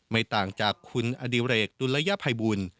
ไม่ต่างจากคุณอดิเรกตุลยภัยบุญ